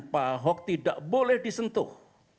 pak ahok tidak boleh disentuh